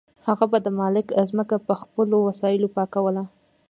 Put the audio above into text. هغه به د مالک ځمکه په خپلو وسایلو پاکوله.